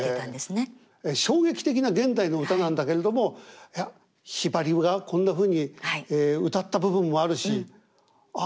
衝撃的な現代の歌なんだけれどもいやひばりがこんなふうに歌った部分もあるしあっ